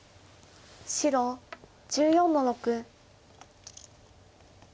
白１４の六。